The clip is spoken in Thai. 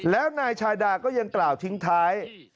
แล้วนายชาดาก็ยังกล่าวทิ้งท้าย